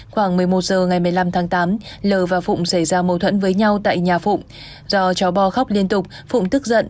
khoảng một mươi một giờ ngày một mươi năm tháng tám l và phụng xảy ra mâu thuẫn với nhau tại nhà phụng